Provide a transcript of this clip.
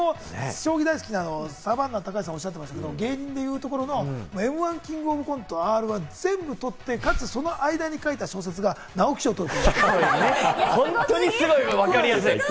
将棋大好きなサバンナ・高橋さんがおっしゃってましたけれども、芸人で言うところのМ‐１、キングオブコント、Ｒ−１全部取って、かつその間に書いた小説が直木賞をとる。